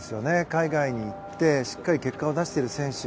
海外に行ってしっかり結果を残している選手。